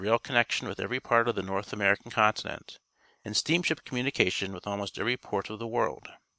rail connection with every part of the North American continent, and steamsliip com munication with almost every port of the world.